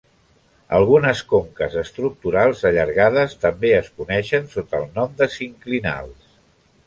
Algunes conques estructurals allargades també es coneixen sota el nom de sinclinals.